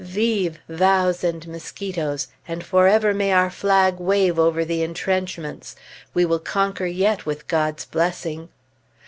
Vivent vows and mosquitoes, and forever may our flag wave over the entrenchments! We will conquer yet, with God's blessing!